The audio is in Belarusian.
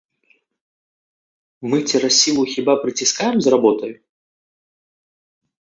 Мы цераз сілу хіба прыціскаем з работаю?